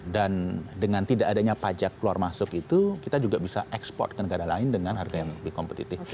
dan dengan tidak adanya pajak luar masuk itu kita juga bisa ekspor ke negara lain dengan harga yang lebih kompetitif